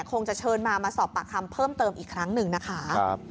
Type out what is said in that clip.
คงจะเชิญมามาสอบปากคำเพิ่มเติมอีกครั้งหนึ่งนะคะ